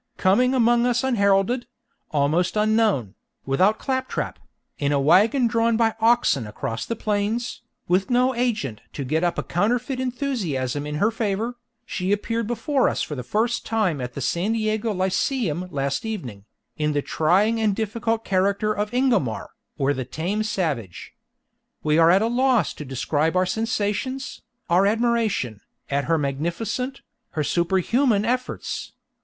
Coming among us unheralded, almost unknown, without claptrap, in a wagon drawn by oxen across the plains, with no agent to get up a counterfeit enthusiasm in her favor, she appeared before us for the first time at the San Diego Lyceum last evening, in the trying and difficult character of Ingomar, or the Tame Savage. We are at a loss to describe our sensations, our admiration, at her magnificent, her super human efforts.